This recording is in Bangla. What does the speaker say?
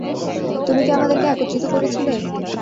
তুমি কি আমাদেরকে একত্রিত করেছিলে?